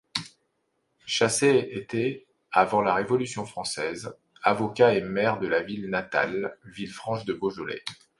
Chasset était, avant la Révolution française, avocat et maire de sa ville natale, Villefranche-de-Beaujolais.